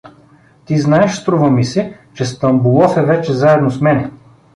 Ти знаеш, струва ми се, че Стамболов е вече заедно с мене.